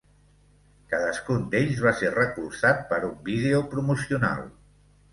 Cadascun d'ells va ser recolzat per un vídeo promocional.